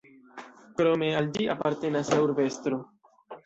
Krome al ĝi apartenas la urbestro.